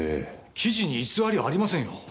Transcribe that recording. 記事に偽りはありませんよ。